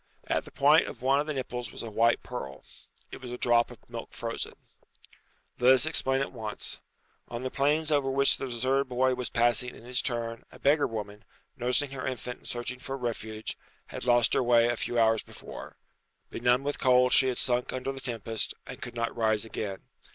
At the point of one of the nipples was a white pearl. It was a drop of milk frozen. Let us explain at once. On the plains over which the deserted boy was passing in his turn a beggar woman, nursing her infant and searching for a refuge, had lost her way a few hours before. Benumbed with cold she had sunk under the tempest, and could not rise again.